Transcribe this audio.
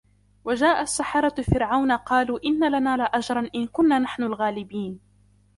وَجَاءَ السَّحَرَةُ فِرْعَوْنَ قَالُوا إِنَّ لَنَا لَأَجْرًا إِنْ كُنَّا نَحْنُ الْغَالِبِينَ